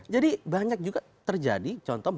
jadi banyak juga terjadi contoh